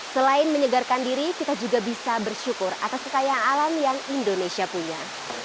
selain menyegarkan diri kita juga bisa bersyukur atas kekayaan alam yang indonesia punya